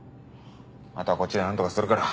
後はこっちで何とかするから。